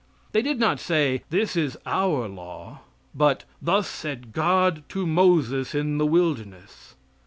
They did not say, "This is our law," but, "Thus said God to Moses in the wilderness."